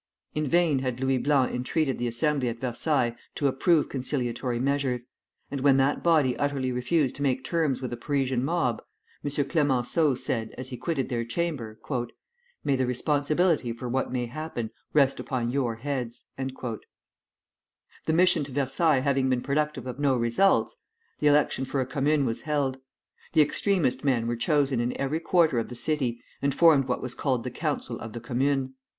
In vain had Louis Blanc entreated the Assembly at Versailles to approve conciliatory measures; and when that body utterly refused to make terms with a Parisian mob, M. Clémenceau said, as he quitted their chamber: "May the responsibility for what may happen, rest upon your heads." The mission to Versailles having been productive of no results, the election for a commune was held. The extremest men were chosen in every quarter of the city, and formed what was called the Council of the Commune.